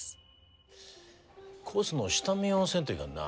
コースの下見をせんといかんな。